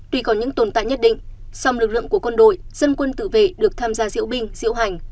tuy có những tồn tại nhất định song lực lượng của quân đội dân quân tự vệ được tham gia diễu binh diễu hành